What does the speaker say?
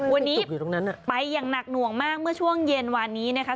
วันนี้ไปอย่างหนักหน่วงมากเมื่อช่วงเย็นวานนี้นะคะ